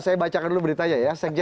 saya bacakan dulu beritanya ya